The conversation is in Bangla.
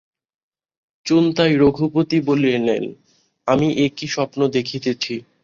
চোন্তাই রঘুপতি বলিলেন, আমি এ কি স্বপ্ন দেখিতেছি!